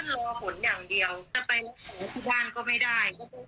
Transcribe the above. ลงไปก่อนลูกแม่ติดโควิดลงไปก่อนเด็ก